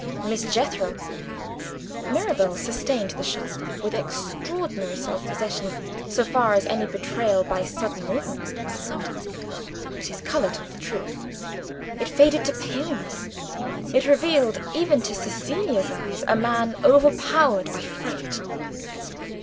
"Miss Jethro." Mirabel sustained the shock with extraordinary self possession so far as any betrayal by sudden movement was concerned. But his color told the truth: it faded to paleness it revealed, even to Cecilia's eyes, a man overpowered by fright.